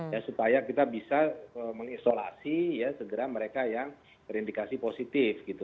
ya supaya kita bisa mengisolasi ya segera mereka yang terindikasi positif gitu